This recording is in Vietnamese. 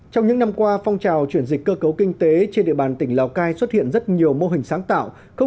trong những năm qua phong trào chuyển dịch cơ cấu kinh tế trên địa bàn tỉnh lào cai xuất hiện rất nhiều mô hình sáng tạo